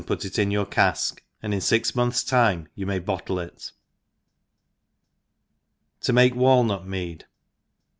put it in your ca(k, a^d in 6x ^months time you may bottle it. TCo male Walnut Mead.